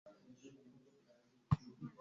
umugoroba ntushobora gutanga amaroza ya mugitondo